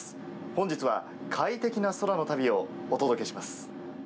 本日は快適な空の旅をお届けします。